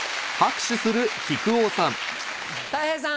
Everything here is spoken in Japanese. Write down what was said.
たい平さん。